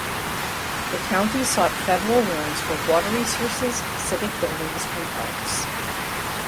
The county sought federal loans for water resources, civic buildings, and parks.